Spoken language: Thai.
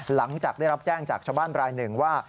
หลังจากได้รับแจ้งจากชาวบ้านรายหนึ่งว่า